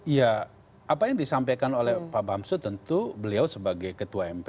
ya apa yang disampaikan oleh pak bamsud tentu beliau sebagai ketua mpr